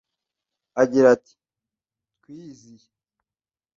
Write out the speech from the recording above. agira ati “Twiyiziye